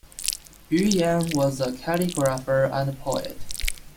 Yuyan was a calligrapher and poet.